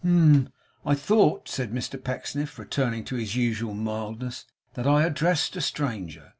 'Hem! I thought,' said Mr Pecksniff, returning to his usual mildness, 'that I addressed a stranger.